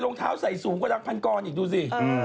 รองเท้าใส่สูงกว่าหลักพันกรอีกดูสิ